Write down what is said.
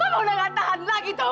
mama udah enggak tahan lagi tau